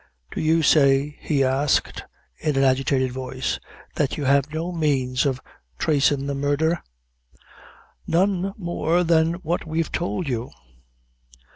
"Do you say," he asked, in an agitated voice, "that you have no manes of tracin' the murdher?" "None more than what we've tould you."